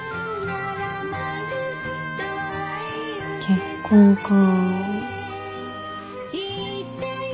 結婚か。